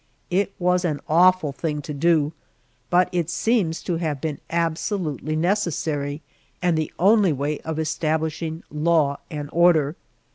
It was an awful thing to do, but it seems to have been absolutely necessary and the only way of establishing law and order.